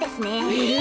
え！